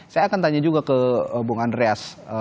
saya akan tanya juga ke bung andreas